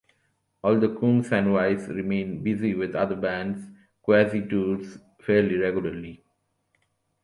Although Coomes and Weiss remain busy with other bands, Quasi tours fairly regularly.